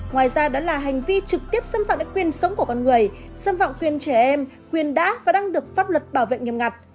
ngoài ra đó là hành vi trực tiếp xâm phạm đến quyền sống của con người xâm vọng quyền trẻ em quyền đã và đang được pháp luật bảo vệ nghiêm ngặt